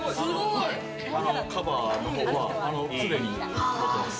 カバーの方は常に持ってます。